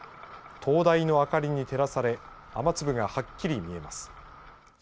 灯台の明かりに照らされ雨粒がはっきり見えます。